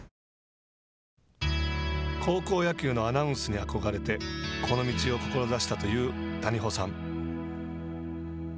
高校野球のアナウンスに憧れてこの道を志したという谷保さん。